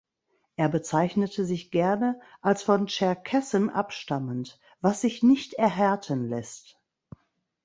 Er bezeichnete sich gerne als von Tscherkessen abstammend, was sich nicht erhärten lässt.